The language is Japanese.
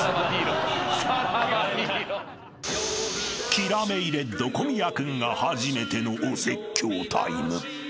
［キラメイレッド小宮君が初めてのお説教タイム］